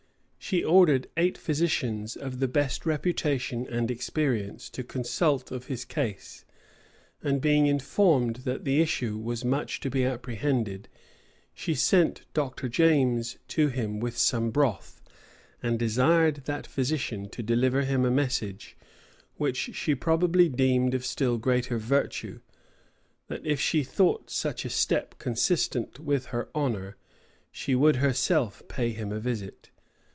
She ordered eight physicians of the best reputation and experience to consult of his case; and being informed that the issue was much to be apprehended, she sent Dr. James to him with some broth, and desired that physician to deliver him a message, which she probably deemed of still greater virtue, that if she thought such a step consistent with her honor, she would herself pay him a visit.